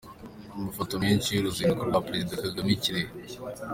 Amafoto menshi y’uruzinduko rwa Perezida Kagame i Kirehe.